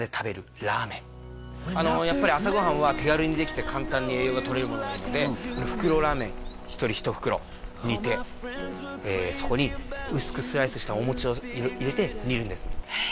２番はやっぱり朝ご飯は手軽にできて簡単に栄養がとれるものがいいので袋ラーメン１人１袋煮てそこに薄くスライスしたお餅を入れて煮るんですへえ